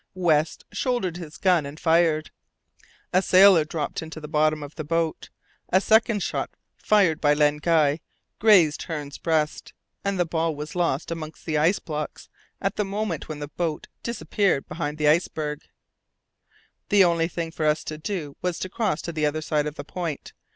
West shouldered his gun and fired; a sailor dropped into the bottom of the boat. A second shot, fired by Captain Len Guy, grazed Hearne's breast, and the ball was lost among the ice blocks at the moment when the boat disappeared behind the iceberg. The only thing for us to do was to cross to the other side of the point.